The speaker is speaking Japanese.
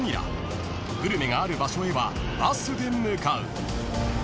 ［グルメがある場所へはバスで向かう］